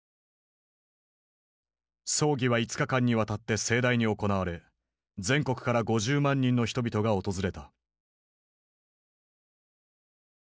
葬儀は５日間にわたって盛大に行われ全国から５０万人の人々が訪れた。